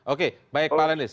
oke baik pak lenis